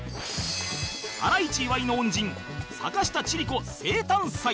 ハライチ岩井の恩人坂下千里子生誕祭